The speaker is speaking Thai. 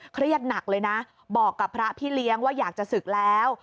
เครียดหนักเลยนะบอกกับพระพี่เลี้ยงว่าอยากจะศึกแล้ว